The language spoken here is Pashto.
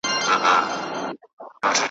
هم ښکنځل هم بد او رد یې اورېدله `